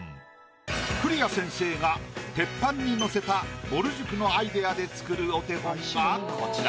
栗屋先生が鉄板にのせたぼる塾のアイディアで作るお手本がこちら。